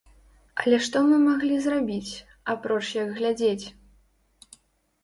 Але што мы маглі зрабіць, апроч як глядзець?